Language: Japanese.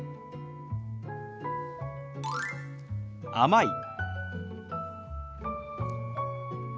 「甘い」。